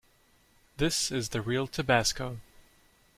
This is the real tabasco.